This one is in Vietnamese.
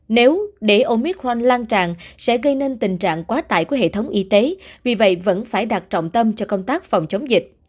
nếu để omit hoành lan tràn sẽ gây nên tình trạng quá tải của hệ thống y tế vì vậy vẫn phải đặt trọng tâm cho công tác phòng chống dịch